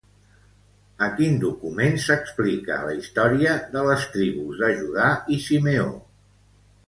A quin document s'explica la història de les tribus de Judà i Simeó?